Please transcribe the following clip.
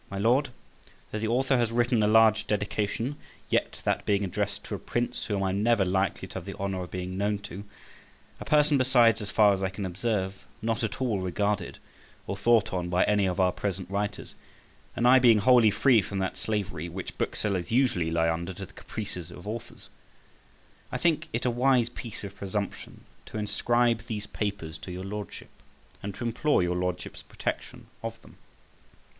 My LORD, THOUGH the author has written a large Dedication, yet that being addressed to a Prince whom I am never likely to have the honour of being known to; a person, besides, as far as I can observe, not at all regarded or thought on by any of our present writers; and I being wholly free from that slavery which booksellers usually lie under to the caprices of authors, I think it a wise piece of presumption to inscribe these papers to your Lordship, and to implore your Lordship's protection of them.